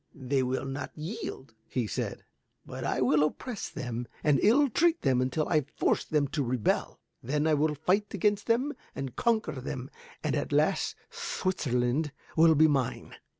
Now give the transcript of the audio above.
"They will not yield," he said, "but I will oppress them and ill treat them until I force them to rebel. Then I will fight against them and conquer them, and at last Switzerland will be mine."